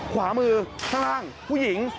ขวามือข้างล่างผู้หญิง